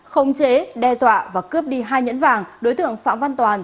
không chế đe dọa và cướp đi hai nhẫn vàng đối tượng phạm văn toàn